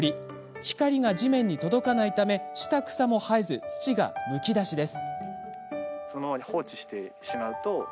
光が地面に届かないため下草も生えず、土がむき出しです。